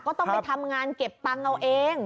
ก็ต้องไปทำงานเก็บตังค์เอาเอง